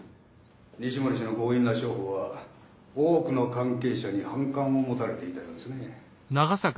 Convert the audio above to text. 西森氏の強引な商法は多くの関係者に反感を持たれていたようですね。